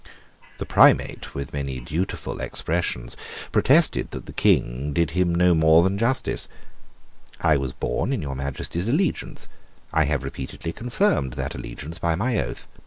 The Primate, with many dutiful expressions, protested that the King did him no more than justice. "I was born in your Majesty's allegiance. I have repeatedly confirmed that allegiance by my oath.